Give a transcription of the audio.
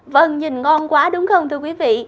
vâng nhìn ngon quá đúng không thưa quý vị